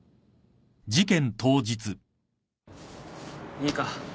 いいか？